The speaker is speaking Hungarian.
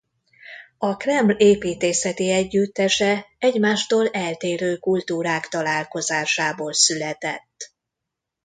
A Kreml építészeti együttese egymástól eltérő kultúrák találkozásából született.